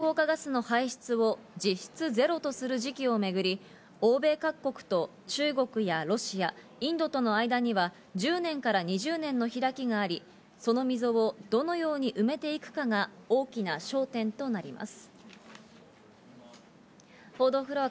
しかし、温室効果ガスの排出を実質ゼロとする時期をめぐり、欧米各国と中国やロシア、インドとの間には１０年から２０年の開きがあり、その溝をどのように埋めていくかが大きな焦点となります。